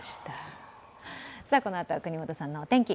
このあとは國本さんのお天気。